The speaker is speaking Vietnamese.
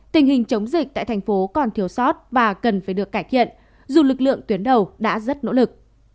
tình hình chống dịch tại thành phố còn thiếu sót và cần phải được cải thiện dù lực lượng tuyến đầu đã rất nỗ lực